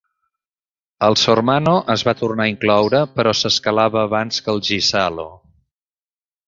El Sormano es va tornar a incloure però s'escalava abans que el Ghisallo.